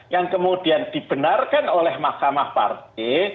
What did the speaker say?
yang kemudian dibenarkan oleh mahkamah partai